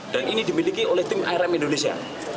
dan ini dimiliki oleh tim aarm indonesia